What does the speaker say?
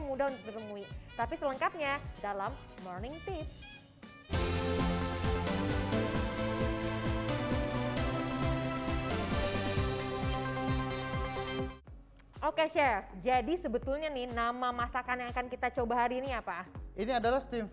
mudah untuk ditemui tapi selengkapnya dalam morning tips oke chef jadi sebetulnya nih nama masakan yang akan kita coba hari ini apa ini adalah